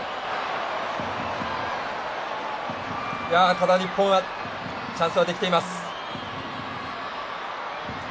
ただ日本はチャンスはできています。